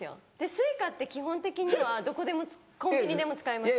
Ｓｕｉｃａって基本的にはどこでもコンビニでも使えますし。